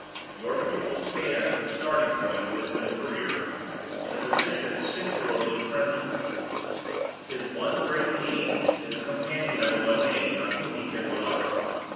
Your pupil stands at the starting point of his new career, in a position singularly friendless; his one great need is a companion of his own age on whom he can rely.